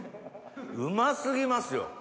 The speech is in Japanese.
うま過ぎますよ。